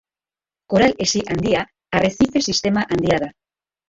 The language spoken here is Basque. Koral Hesi Handia Arrezife-sistema handia da.